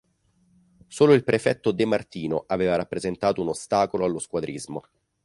Solo il prefetto De Martino aveva rappresentato un ostacolo allo squadrismo.